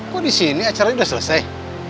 kok di sini acaranya sudah selesai